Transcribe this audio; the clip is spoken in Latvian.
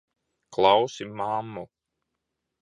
Klausi mammu!